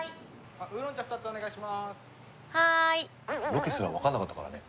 ロケすら分かんなかったからね。